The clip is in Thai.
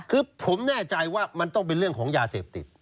คือผมแน่ใจว่ามันต้องเป็นเรื่องของยาเสพติด